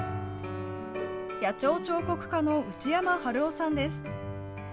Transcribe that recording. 野鳥彫刻家の内山春雄さんです。